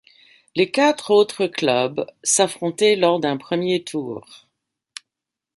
Les quatre autres clubs s'affrontaient lors d'un premier tour.